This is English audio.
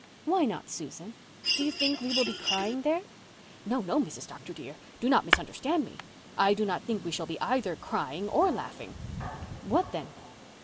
"Why not, Susan? Do you think we will be crying there?" "No, no, Mrs. Dr. dear, do not misunderstand me. I do not think we shall be either crying or laughing." "What then?"